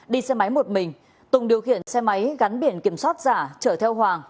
đi xe máy một mình tùng điều khiển xe máy gắn biển kiểm soát giả chở theo hoàng